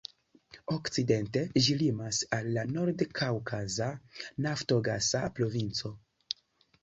Okcidente ĝi limas al la Nord-Kaŭkaza naftogasa provinco.